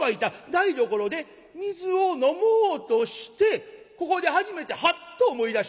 台所で水を飲もうとしてここで初めてハッと思い出しまして。